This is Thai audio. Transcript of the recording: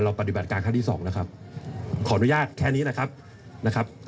ปฏิบัติการครั้งที่สองแล้วครับขออนุญาตแค่นี้นะครับนะครับ